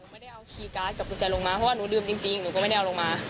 ไม่ได้เอาคีย์การ์ดกับกุญแจลงมาเพราะว่าหนูดื่มจริงหนูก็ไม่ได้เอาลงมา